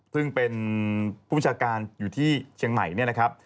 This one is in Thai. ซึ่งเป็นผู้ประชาการอยู่ที่เชียงใหม่เนี่ยนะครับ